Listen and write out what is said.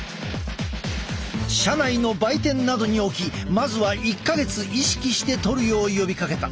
社内の売店などに置きまずは１か月意識してとるよう呼びかけた。